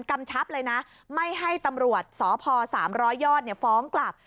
กำชับเลยนะไม่ให้ตำรวจสพ๓๐๐ยอดฟ้องกลับ